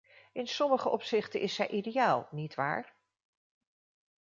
In sommige opzichten is zij ideaal, nietwaar?